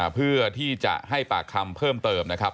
เพื่อที่จะให้ปากคำเพิ่มเติมนะครับ